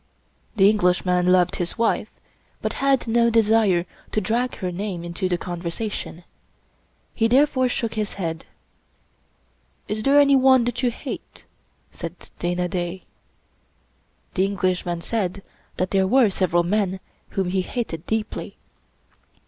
The Englishman loved his wife, but had no desire to drag her name into the conversation. He therefore shook his head. "Is there anyone that you hate?" said Dana Da. The Englishman said that there were several men whom he hated deeply.